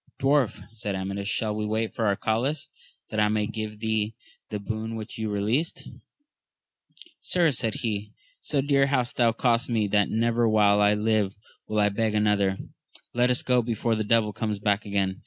Dwarf, said Amadis, shall we wait for Arcalaus, that I may give thee the boon which you released ? Sir, said he, so dear hath that cost me, that never while I live will I beg another : let us go before the devil comes back again.